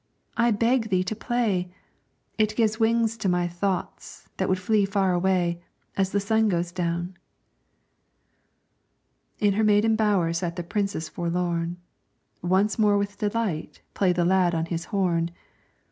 I beg thee to play! It gives wings to my thoughts that would flee far away, As the sun goes down." In her maiden bower sat the Princess forlorn, Once more with delight played the lad on his horn.